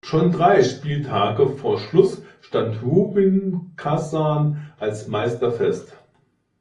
Schon drei Spieltage vor Schluss stand Rubin Kasan als Meister fest.